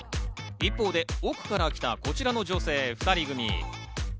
一方で、奥から来たこの女性２人組。